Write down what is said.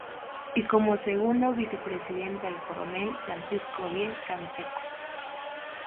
Y como segundo Vicepresidente al Coronel Francisco Diez Canseco.